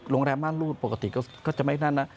โรงแรมม่านรูปกรุณ์ก็จะไม่เหน้าน่ะ